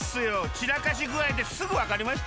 ちらかしぐあいですぐわかりましたよ。